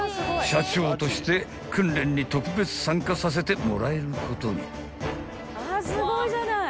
車長として訓練に特別参加させてもらえることに］